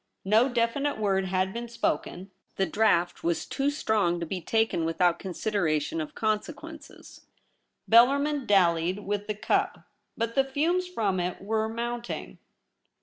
No definite word had been spoken. The draught was too strong to be taken without consideration of consequences. Bellarmin dallied with the cup ; but the fumes from it were mounting.